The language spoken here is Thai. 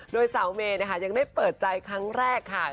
โดยสาวเมย์นะคะยังได้เปิดใจครั้งแรกค่ะ